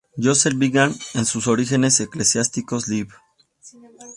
Joseph Bingham en su "Orígenes eclesiásticos lib.